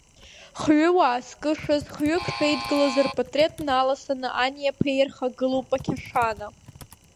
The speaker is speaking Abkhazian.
Хҩуаа зкышаз, хҩык шеидгылаз рпатреҭ наласаны, ани аԥеи ирхагылоуп ақьашана.